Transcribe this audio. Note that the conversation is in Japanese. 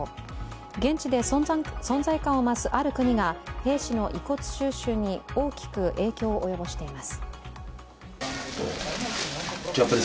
現地で存在感を増すある国が兵士の遺骨収集に大きく影響を及ぼしています。